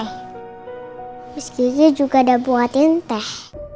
terus gizi juga udah buatin teh